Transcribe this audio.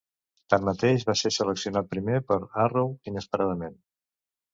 Tanmateix, va ser seleccionat primer per Harrow inesperadament.